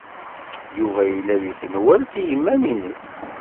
Yuba yella deg tenwalt i yiman-nnes.